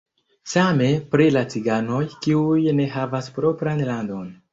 Same pri la ciganoj, kiuj ne havas propran landon.